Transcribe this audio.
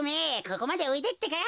ここまでおいでってか。